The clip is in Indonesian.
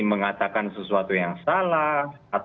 mengatakan sesuatu yang salah